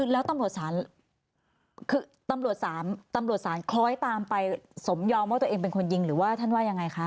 แล้วตำรวจสารคล้อยตามไปสมยอมว่าตัวเองเป็นคนยิงหรือว่าท่านว่ายังไงคะ